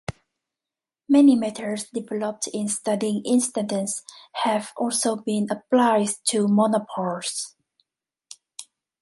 Many methods developed in studying instantons have also been applied to monopoles.